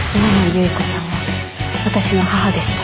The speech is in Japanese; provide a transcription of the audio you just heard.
有依子さんは私の母でした。